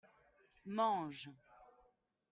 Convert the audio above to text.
mange.